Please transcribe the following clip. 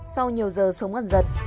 sau nhiều giờ sống ăn giật